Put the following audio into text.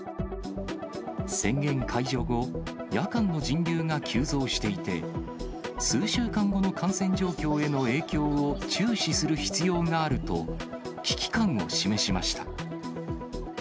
宣言解除後、夜間の人流が急増していて、数週間後の感染状況への影響を注視する必要があると、危機感を示しました。